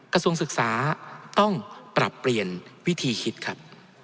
กระทรวงศึกษาต้องปรับเปลี่ยนวิธีคิดครับ